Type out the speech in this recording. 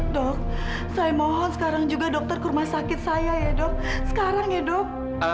dok saya mohon sekarang juga dokter ke rumah sakit saya ya dok sekarang ya dok